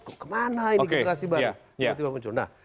kok kemana ini generasi baru